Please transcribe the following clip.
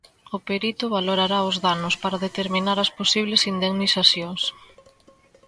O perito valorará os danos para determinar as posibles indemnizacións.